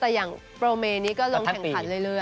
แต่อย่างโปรเมนี้ก็ลงแข่งขันเรื่อย